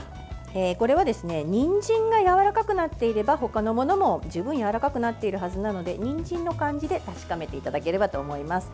これは、にんじんがやわらかくなっていれば他のものも十分やわらかくなっているはずなのでにんじんの感じで確かめていただければと思います。